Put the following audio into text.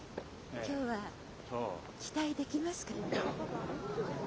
今日は期待できますかね。